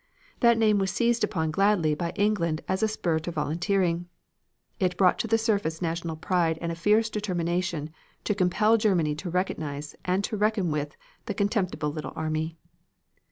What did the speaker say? That name was seized upon gladly by England as a spur to volunteering. It brought to the surface national pride and a fierce determination to compel Germany to recognize and to reckon with the "contemptible little army."